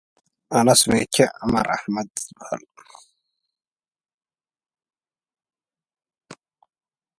Subsequent replays, however, aired the video in its original format.